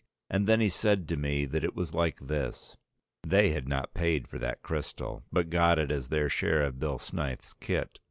And then he said to me that it was like this; they had not paid for that crystal, but got it as their share of Bill Snyth's kit.